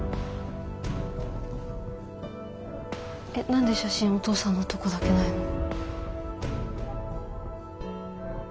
えっ何で写真お父さんのとこだけないの？